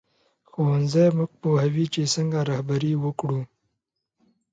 ښوونځی موږ پوهوي چې څنګه رهبري وکړو